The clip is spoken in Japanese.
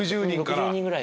６０人から。